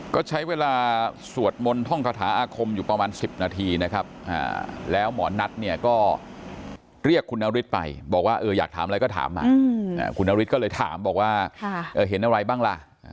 ก็ใช้เวลาสวดมนต์ท่องคาถาอาคมอยู่ประมาณ๑๐นาทีนะครับแล้วหมอนัทเนี่ยก็เรียกคุณนฤทธิ์ไปบอกว่าอยากถามอะไรก็ถามมาคุณนฤทธิก็เลยถามบอกว่าเห็นอะไรบ้างล่ะ